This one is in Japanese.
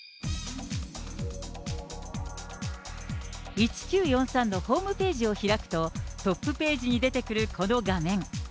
１９４３のホームページを開くと、トップページに出てくるこの画面。